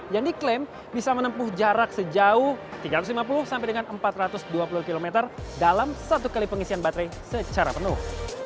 yang diklaim bisa menempuh jarak sejauh tiga ratus lima puluh sampai dengan empat ratus dua puluh km dalam satu kali pengisian baterai secara penuh